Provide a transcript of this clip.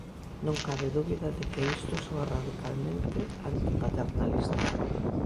Non cabe dúbida de que isto soa radicalmente antipaternalista.